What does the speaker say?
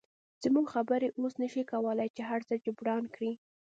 زموږ خبرې اوس نشي کولی چې هرڅه جبران کړي